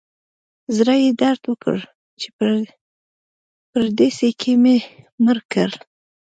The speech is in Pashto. زړه یې درد وکړ چې په پردیسي کې مې مړ کړ.